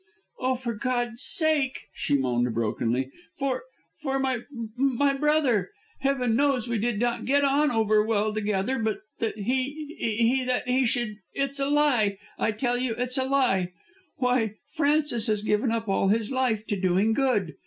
"Oh, for God's sake," she moaned brokenly, "for for my brother. Heaven knows we did not get on over well together, but that he he that he should It's a lie. I tell you, it's a lie. Why, Francis has given up all his life to doing good.